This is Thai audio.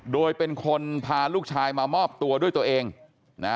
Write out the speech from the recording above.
โดยเป็นคนพาลูกชายมามอบตัวด้วยตัวเองนะ